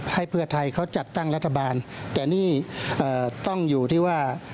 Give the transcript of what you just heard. ให้เพื่อไทยเขาจัดตั้งรัฐบาลแต่นี่ต้องอยู่ที่ว่า